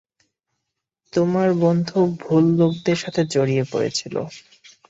তোমার বন্ধু ভুল লোকদের সাথে জড়িয়ে পড়েছিল।